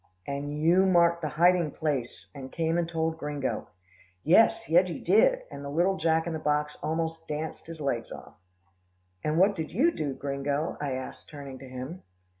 '" "And you marked the hiding place, and came and told Gringo." "Yes, Yeggie did," and the little Jack in the box almost danced his legs off. "And what did you do, Gringo?" I asked, turning to him.